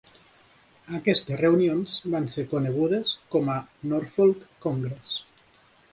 Aquestes reunions van ser conegudes com a "Norfolk Congress".